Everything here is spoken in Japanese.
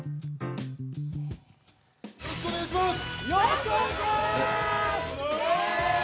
よろしくお願いします！